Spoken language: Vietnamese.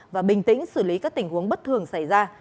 và bình tĩnh xử lý các tình huống bất thường xảy ra